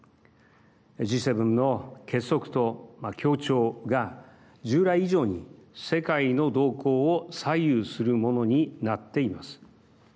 Ｇ７の結束と協調が従来以上に世界の動向を左右するものになっています。